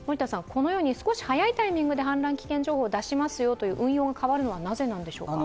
このように少し早いタイミングで氾濫危険情報を出しますよと、運用が変わるのは、なぜなんでしょうか。